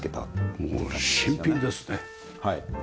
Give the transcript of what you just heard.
もう新品ですね。